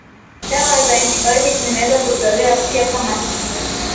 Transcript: Dawa za antibiotiki zinaweza kutolewa pia kama kinga